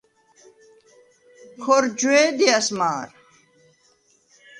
ქორ ჯვე̄დიას მა̄რ.